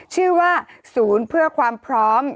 ชื่อว่าศูนย์เพื่อความพร้อม